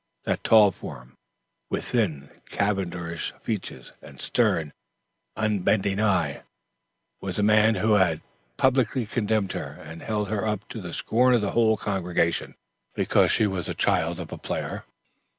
That tall form, with thin, cadaverous features and stern, unbending eye, was the man who had publicly condemned her and held her up to the scorn of the whole congregation, because she was the child of a player.